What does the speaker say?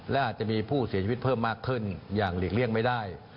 และอาจจะมีผู้เสียชีวิตเพิ่มมากขึ้นอย่างหลีกเลี่ยงไม่ได้